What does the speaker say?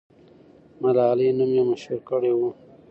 ملالۍ نوم یې مشهور کړی وو.